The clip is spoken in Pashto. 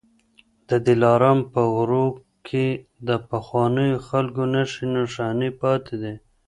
د دلارام په غرو کي د پخوانيو خلکو نښې نښانې پاتې دي